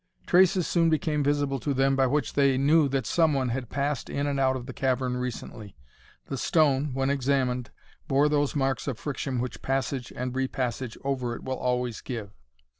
Traces soon became visible to them by which they knew that some one had passed in and out of the cavern recently. The stone, when examined, bore those marks of friction which passage and repassage over it will always give.